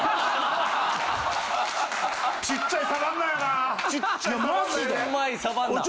ちっちゃいサバンナやな。